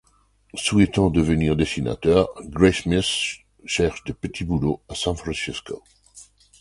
Souhaitant devenir dessinateur, Graysmith cherche des petits boulots à San Francisco.